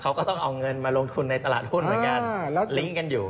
เขาก็ต้องเอาเงินมาลงทุนในตลาดหุ้นเหมือนกันลิงก์กันอยู่